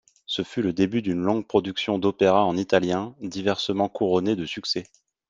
Ce fut le début d'une longue production d'opéras en italien, diversement couronnés de succès.